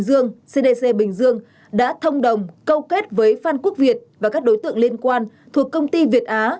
hải dương cdc bình dương đã thông đồng câu kết với phan quốc việt và các đối tượng liên quan thuộc công ty việt á